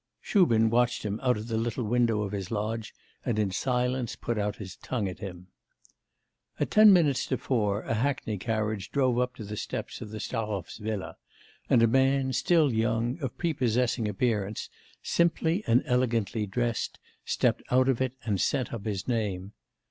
Shubin watched him out of the little window of his lodge, and in silence put out his tongue at him. At ten minutes to four, a hackney carriage drove up to the steps of the Stahovs's villa, and a man, still young, of prepossessing appearance, simply and elegantly dressed, stepped out of it and sent up his name.